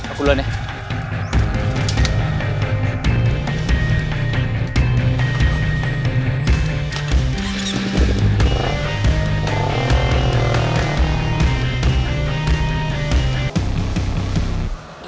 aku duluan ya